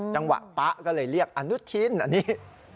จังหวะป๊ะก็เลยเรียกอนุทินอันนี้